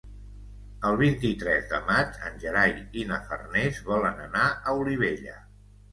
El vint-i-tres de maig en Gerai i na Farners volen anar a Olivella.